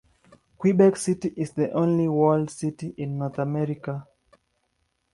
Quebec City is the only walled city in North America.